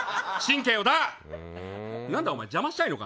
お前、邪魔したいのか？